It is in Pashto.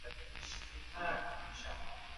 څنګه قانون پر نورو هیوادونو اغیز کوي؟